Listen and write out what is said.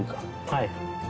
はい。